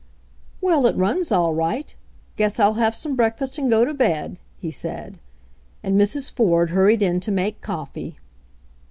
"Well, it runs all right. Guess I'll have some breakfast and go to bed," he said, and Mrs. Ford hurried in to make coffee.